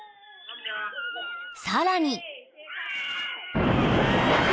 ［さらに］